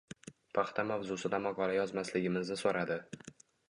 Paxta mavzusida maqola yozmasligimizni soʻradi.